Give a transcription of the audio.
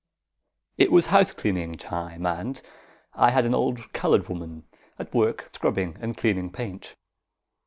IT was house cleaning time, and I had an old coloured woman at work scrubbing and cleaning paint.